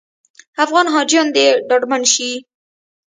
افغان حاجیان دې ډاډمن شي.